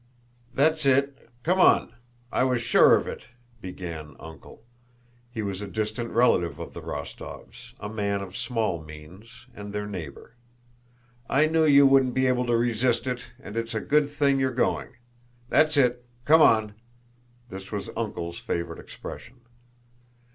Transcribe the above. "That's it. Come on!... I was sure of it," began "Uncle." (He was a distant relative of the Rostóvs', a man of small means, and their neighbor.) "I knew you wouldn't be able to resist it and it's a good thing you're going. That's it! Come on!" (This was "Uncle's" favorite expression.)